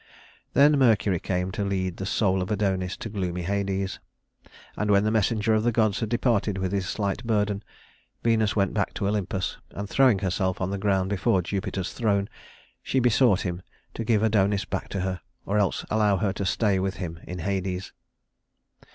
Then Mercury came to lead the soul of Adonis to gloomy Hades; and when the messenger of the gods had departed with his slight burden, Venus went back to Olympus, and throwing herself on the ground before Jupiter's throne, she besought him to give Adonis back to her, or else to allow her to stay with him in Hades.